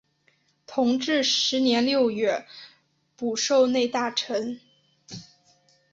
同治十年六月补授内大臣。